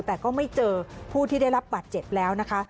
แต่ก็ไม่เจอผู้ที่ได้รับบาดเจ็บแล้วนะคะ